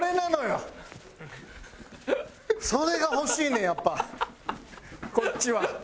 それが欲しいねんやっぱこっちは。